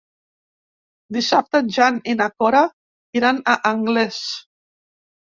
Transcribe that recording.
Dissabte en Jan i na Cora iran a Anglès.